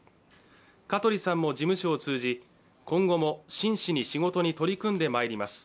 香取さんも事務所を通じ、今後も真摯に仕事に取り組んでまいります。